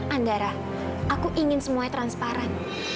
andara aku ingin semuanya transparan